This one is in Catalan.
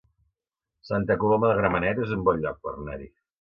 Santa Coloma de Gramenet es un bon lloc per anar-hi